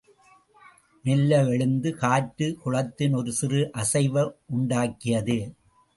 மெல்ல எழுந்த காற்று, குளத்தின் ஒரு சிறு அசைவை உண்டாக்கியது.